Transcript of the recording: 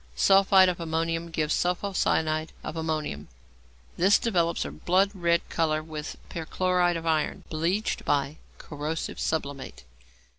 Sulphide of ammonium gives sulpho cyanide of ammonium. This develops a blood red colour with perchloride of iron, bleached by corrosive sublimate.